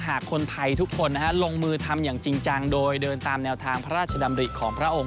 หากคนไทยทุกคนลงมือทำอย่างจริงจัง